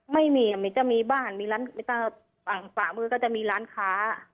ไม่มีจะมีบ้านสระมือก็จะมีร้านค้า